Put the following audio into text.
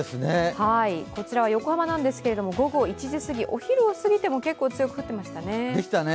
こちらは横浜ですが午後１時すぎお昼を過ぎても結構強く降っていましたね。